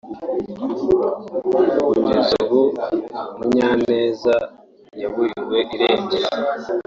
Kugeza ubu Munyaneza yaburiwe irengero